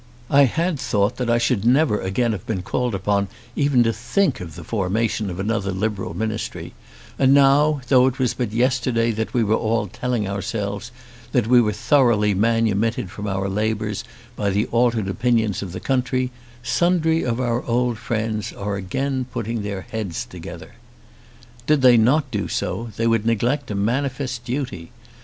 I had thought that I should never again have been called upon even to think of the formation of another Liberal Ministry; and now, though it was but yesterday that we were all telling ourselves that we were thoroughly manumitted from our labours by the altered opinions of the country, sundry of our old friends are again putting their heads together. Did they not do so they would neglect a manifest duty.